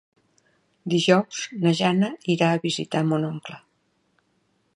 Dijous na Jana irà a visitar mon oncle.